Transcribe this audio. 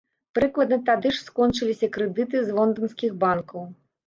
Прыкладна тады ж скончыліся крэдыты з лонданскіх банкаў.